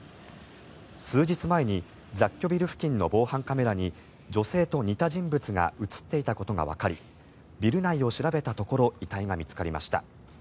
数日前に雑居ビル付近の防犯カメラに女性と似た人物が映っていたことがわかりビル内を調べたところ遺体が見つかりました。